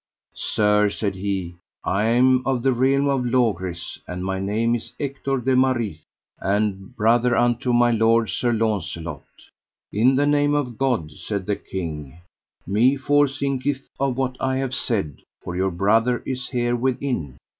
Sir, said he, I am of the realm of Logris, and my name is Ector de Maris, and brother unto my lord, Sir Launcelot. In the name of God, said the king, me for thinketh of what I have said, for your brother is here within.